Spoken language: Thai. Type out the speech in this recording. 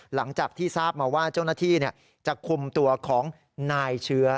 หลังจากที่ทราบมาว่าเจ้าหน้าที่จะคุมตัวของนายเชื้อ